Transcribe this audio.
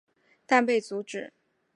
但被阻止。